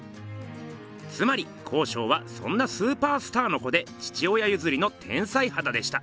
つまり康勝はそんなスーパースターの子で父親ゆずりの天才はだでした。